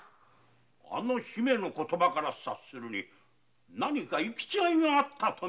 あの姫の言葉から察するに何か行き違いがあったとみるが。